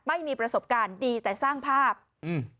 ไม่มีประสบการณ์ดีแต่สร้างภาพอืม